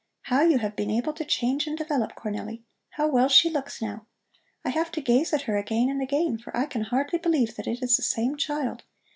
How you have been able to change and develop Cornelli! How well she looks now! I have to gaze at her again and again, for I can hardly believe that it is the same child.